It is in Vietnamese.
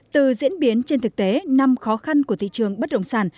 từ diễn biến trên thực tế năm khó khăn của thị trường bất động sản